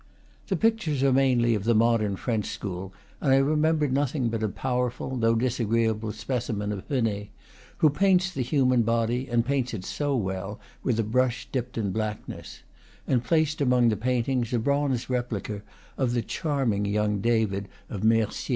The pictures are mainly of the mo dern French school, and I remember nothing but a powerful, though disagreeable specimen of Henner, who paints the human body, and paints it so well, with a brush dipped in blackness; and, placed among the paintings, a bronze replica of the charming young David of Mercie.